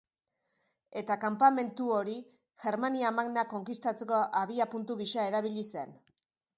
Eta kanpamentu hori, Germania Magna konkistatzeko abiapuntu gisa erabili zen.